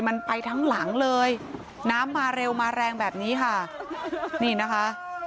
มันไปทั้งหลังเลยน้ำมาเร็วมาแรงแบบนี้ค่ะนี่นะคะ